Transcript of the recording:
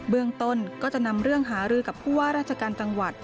เมืองต้นก็จะนำเรื่องหารือกับผู้ว่าราชการจังหวัด